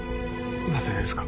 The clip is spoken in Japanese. なぜですか？